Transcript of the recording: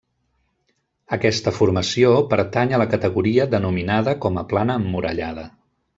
Aquesta formació pertany a la categoria denominada com a plana emmurallada.